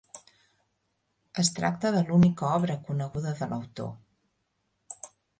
Es tracta de l'única obra coneguda de l'autor.